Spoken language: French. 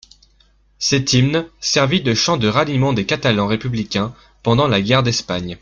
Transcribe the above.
Cet hymne servit de chant de ralliement des Catalans républicains pendant la guerre d'Espagne.